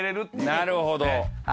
なるほど。